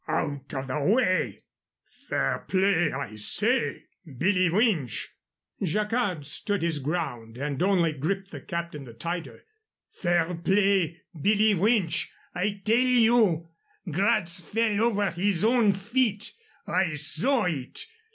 "Out of the way!" "Fair play, I say, Billee Winch!" Jacquard stood his ground and only gripped the captain the tighter. "Fair play, Billee Winch, I tell you! Gratz fell over his own feet. I saw it.